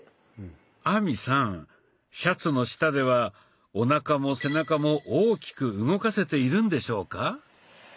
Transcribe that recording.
亜美さんシャツの下ではおなかも背中も大きく動かせているんでしょうか？